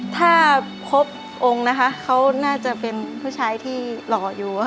ถ้าพบองค์นะคะเขาน่าจะเป็นผู้ชายที่หล่ออยู่